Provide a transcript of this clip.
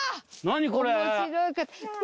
何これ！